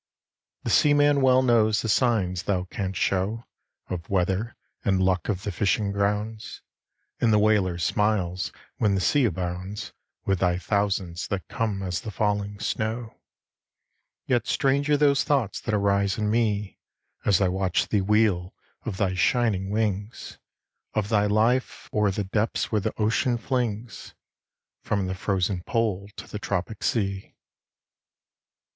The seaman well knows the signs thou canst show Of weather, and luck of the fishing grounds; And the whaler smiles when the sea abounds With thy thousands that come as the falling snow. Yet stranger those thoughts that arise in me, As I watch thee wheel of thy shining wings, Of thy life o'er the depths where the ocean flings From the frozen Pole to the Tropic sea.